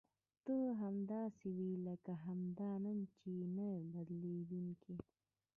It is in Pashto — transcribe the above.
ته همداسې وې لکه همدا نن چې یې نه بدلېدونکې.